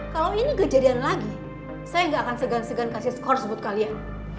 kalo ini kejadian lagi saya gak akan segan segan kasih skor sebut kalian